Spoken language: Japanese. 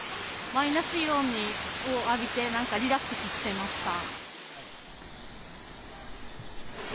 マイナスイオンを浴びて、なんかリラックスしてました。